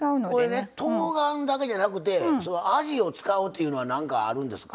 これねとうがんだけじゃなくてあじを使うというのはなんかあるんですか？